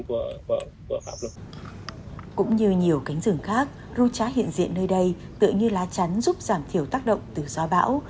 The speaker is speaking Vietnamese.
cũng như nhiều cánh rừng khác rú trá hiện diện nơi đây tựa như lá chắn giúp giảm thiểu tác động từ gió bão